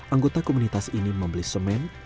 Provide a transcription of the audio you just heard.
anggota komunitas ini membeli semen